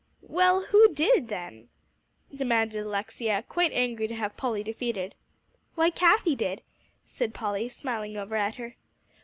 "Well, who did, then?" demanded Alexia, quite angry to have Polly defeated. "Why, Cathie did," said Polly, smiling over at her.